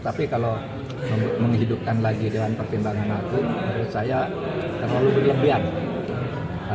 tapi kalau menghidupkan lagi dengan pertimbangan hakim menurut saya terlalu berlebihan